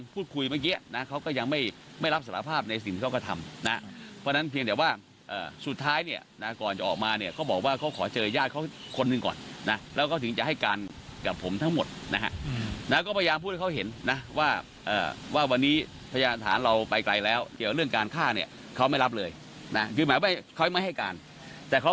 พลตำรวจเอกสุรเชษรณบุอีกว่าเมื่องต้นได้ประสานไปที่ทัศนอธิบดีกรมรัชธรรมแล้ว